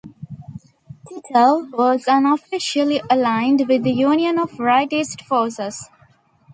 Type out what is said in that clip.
Titov was unofficially aligned with the Union of Rightist Forces.